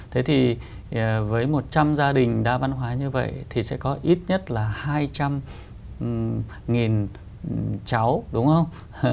thế thì với một trăm gia đình đa văn hóa như vậy thì sẽ có ít nhất là hai trăm nghìn cháu đúng không